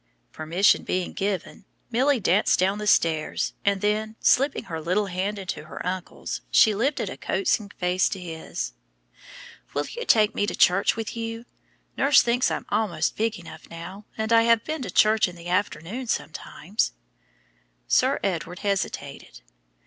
Permission being given, Milly danced down the stairs, and then, slipping her little hand into her uncle's, she lifted a coaxing face to his. "Will you take me to church with you? Nurse thinks I'm almost big enough now, and I have been to church in the afternoon sometimes." Sir Edward hesitated.